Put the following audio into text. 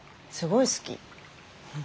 すごい好き。